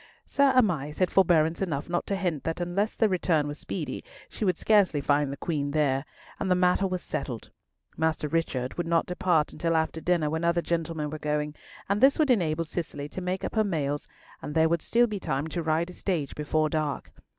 Sir Amias had forbearance enough not to hint that unless the return were speedy, she would scarcely find the Queen there, and the matter was settled. Master Richard would not depart until after dinner, when other gentlemen were going, and this would enable Cicely to make up her mails, and there would still be time to ride a stage before dark.